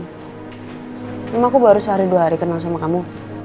memang aku baru sehari dua hari kenal sama kamu